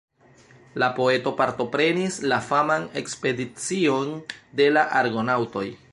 La poeto partoprenis la faman ekspedicion de la argonaŭtoj.